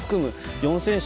４選手